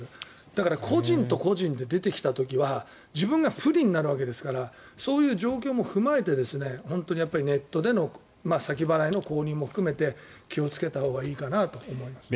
だから個人と個人で出てきた時は自分が不利になるわけですからそういう状況も踏まえて本当にネットでの先払いの購入も含めて気をつけたほうがいいかなと思います。